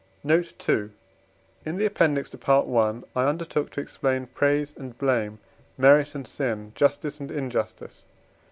Note II. In the Appendix to Part I. I undertook to explain praise and blame, merit and sin, justice and injustice.